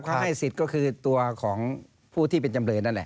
เขาให้สิทธิ์ก็คือตัวของผู้ที่เป็นจำเลยนั่นแหละ